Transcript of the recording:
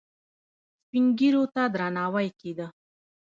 سپین ږیرو ته درناوی کیده